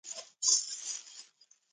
بازمحمد هغه ته وویل